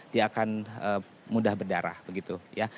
dia akan mudah berdarah begitu ya